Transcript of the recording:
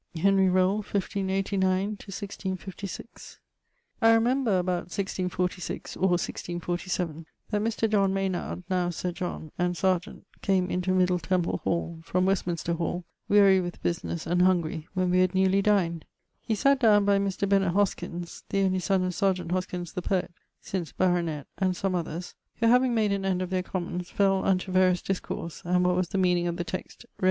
=Henry Rolle= (1589 1656). I remember, about 1646 (or 1647) that Mr. John Maynard (now Sir John, and serjeant), came into Middle Temple hall, from Westminster hall, weary with business, and hungry, when we had newly dined. He sate downe by Mr. Bennet Hoskyns (the only son of serjeant Hoskyns the poet), since baronet, and some others; who having made an end of their commons, fell unto various discourse, and what was the meaning of the text (Rom.